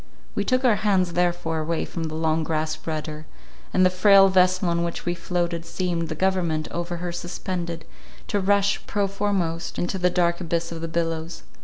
We took our hands therefore away from the long grasped rudder; and the frail vessel on which we floated, seemed, the government over her suspended, to rush, prow foremost, into the dark abyss of the billows.